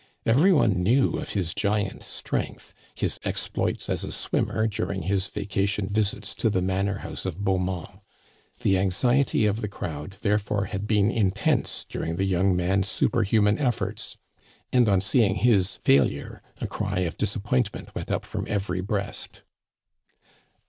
Every one knew of his giant strength, his exploits as a swimmer during his vaca tion visits to the manor house of Beaumont. The anxi ety of the crowd, therefore, had been intense during the young man's superhuman efforts, and, on seeing his fail ure, a cry of disappointment went up from every breast.